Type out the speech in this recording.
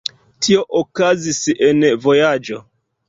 Tio okazis en vojaĝo.